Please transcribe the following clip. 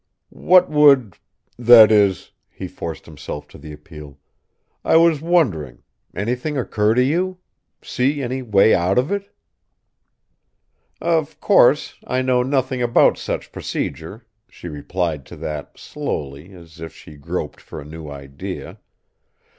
"What would that is," he forced himself to the appeal, "I was wondering anything occur to you? See any way out of it?" "Of course, I know nothing about such procedure," she replied to that, slowly, as if she groped for a new idea.